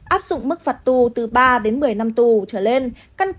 áp dụng mức phạt tù từ ba đến một mươi năm tù trở lên